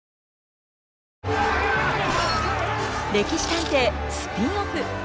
「歴史探偵」スピンオフ。